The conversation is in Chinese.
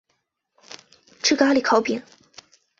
吃咖哩烤饼